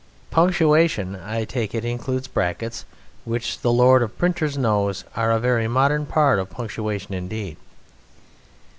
Punctuation, I take it, includes brackets, which the Lord of Printers knows are a very modern part of punctuation indeed.